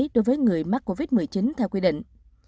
đối với người mắc covid một mươi chín theo quy định